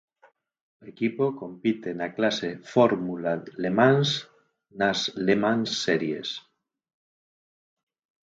O equipo compite na clase Fórmula Le Mans nas Le Mans Series.